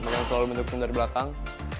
yang selalu mendukung dari belakang